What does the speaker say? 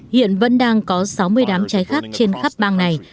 hiện vẫn đang có sáu mươi đám cháy khác trên khắp bang này